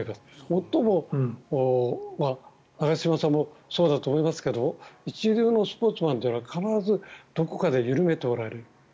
もっとも、長嶋さんもそうだと思いますけど一流のスポーツマンというのは必ずどこかで緩めておられる。